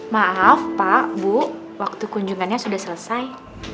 maaf pak bu waktu kunjungannya sudah selesai